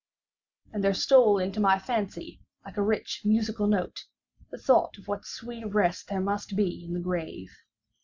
And then there stole into my fancy, like a rich musical note, the thought of what sweet rest there must be in the grave.